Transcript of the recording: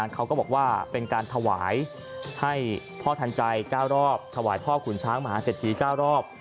เขาก็บอกว่าเป็นการถวายให้พ่อทันใจ๙รอบถวายพ่อขุนช้างมหาเศรษฐี๙รอบ